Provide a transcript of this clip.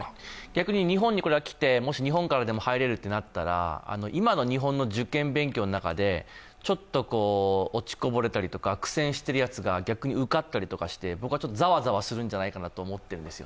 逆に日本に来て、もし日本からでも入れるってなったら今の日本の受験勉強の中でちょっと落ちこぼれたりとか、苦戦しているやつが逆に受かったりとかして、僕はちょっとざわざわするんじゃないかなと思ってるんです。